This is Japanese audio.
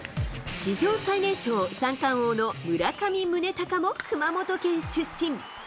史上最年少、三冠王の村上宗隆も熊本県出身。